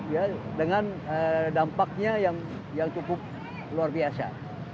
ya dengan dampaknya yang cukup luar biasa